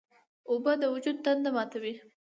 اوبه د وجود تنده ماتوي.